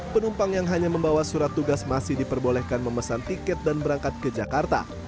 penumpang yang hanya membawa surat tugas masih diperbolehkan memesan tiket dan berangkat ke jakarta